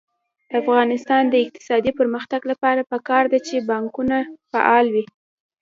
د افغانستان د اقتصادي پرمختګ لپاره پکار ده چې بانکونه فعال وي.